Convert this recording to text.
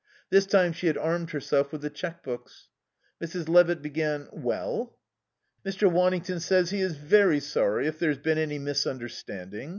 This time she had armed herself with the cheque books. Mrs. Levitt began, "Well ?" "Mr. Waddington says he is very sorry if there's any misunderstanding.